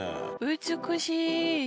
美しい。